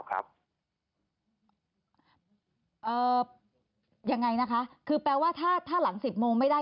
ยังไงนะคะคือแปลว่าถ้าถ้าหลัง๑๐โมงไม่ได้